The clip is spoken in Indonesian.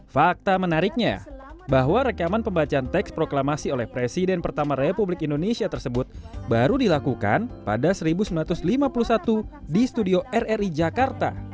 fakta menariknya bahwa rekaman pembacaan teks proklamasi oleh presiden pertama republik indonesia tersebut baru dilakukan pada seribu sembilan ratus lima puluh satu di studio rri jakarta